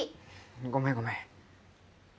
ごめんごめん。